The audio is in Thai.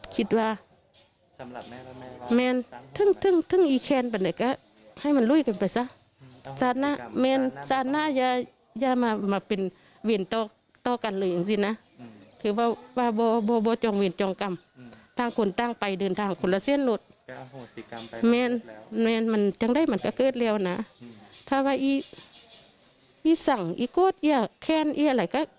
จังได้เหมือนกันเกิดเร็วนะถ้าว่าอีสังอีโก๊ดแค่นอะไรก็